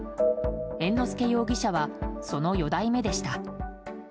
猿之助容疑者はその四代目でした。